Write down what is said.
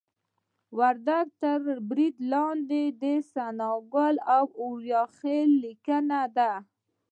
وردګ تر برید لاندې د ثناګل اوریاخیل لیکنه ده